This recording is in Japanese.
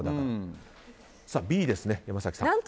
Ｂですね、山崎さん。